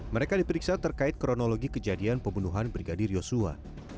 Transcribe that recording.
mereka diperiksa terkait kronologi kejadian pembunuhan brigadir yosua